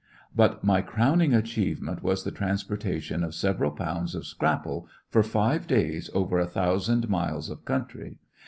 But my crowning achievement was the transportation of several pounds of "scrapple " for five days over a thousand miles of country.